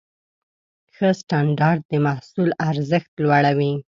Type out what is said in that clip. ښه سټنډرډ د محصول ارزښت لوړوي.